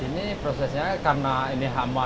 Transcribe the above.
ini prosesnya karena ini hama